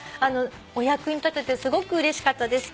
お役に立ててすごくうれしかったです。